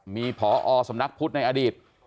มีพอสำนักพุทธในอดีต